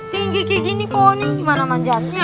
tinggi kayak gini pohoni gimana manjatnya